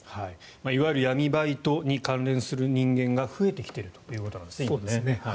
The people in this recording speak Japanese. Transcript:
いわゆる闇バイトに関連する人間が増えてきているということなんですね、今。